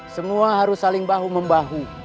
semua harus saling bahu membahu